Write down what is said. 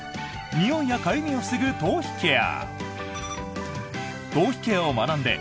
においやかゆみを防ぐ頭皮ケア。